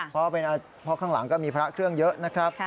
เพราะข้างหลังก็มีพระเครื่องเยอะนะครับ